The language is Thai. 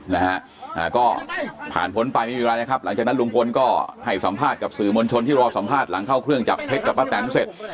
นะฮะอ่าก็ผ่านพ้นไปไม่มีอะไรนะครับหลังจากนั้นลุงพลก็ให้สัมภาษณ์กับสื่อมวลชนที่รอสัมภาษณ์หลังเข้าเครื่องจับเท็จกับป้าแตนเสร็จ